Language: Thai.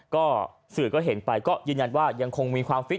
ก็สื่อก็เห็นไปก็ยืนยันว่ายังคงมีความฟิต